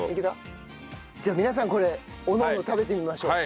じゃあ皆さんこれおのおの食べてみましょう。